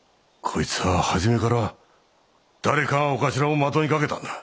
こいつは初めから誰かがお頭を的にかけたんだ。